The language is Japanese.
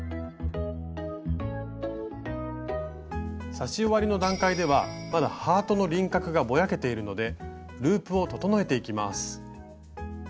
刺し終わりの段階ではまだハートの輪郭がぼやけているのでループを整えていきます。